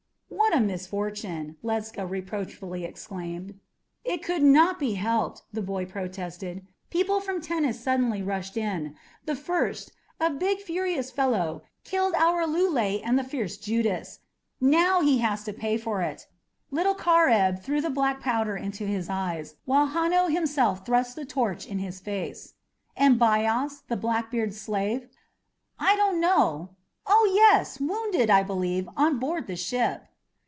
"What a misfortune!" Ledscha reproachfully exclaimed. "It could not be helped," the boy protested. "People from Tennis suddenly rushed in. The first a big, furious fellow killed our Loule and the fierce Judas. Now he has to pay for it. Little Chareb threw the black powder into his eyes, while Hanno himself thrust the torch in his face." "And Bias, the blackbeard's slave?" "I don't know. Oh, yes! Wounded, I believe, on board the ship."